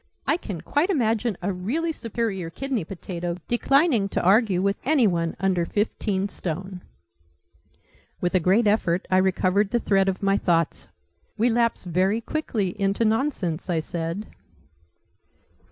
I can quite imagine a really superior kidney potato declining to argue with any one under fifteen stone!" With a great effort I recovered the thread of my thoughts. "We lapse very quickly into nonsense!" I said.